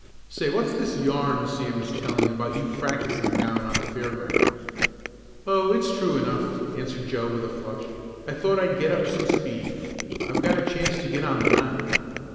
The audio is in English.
Say, what's this yarn Sam is telling about you practicing down on the fairgrounds." "Oh, it's true enough," answered Joe with a flush. "I thought I'd get up some speed. I've got a chance to get on the nine."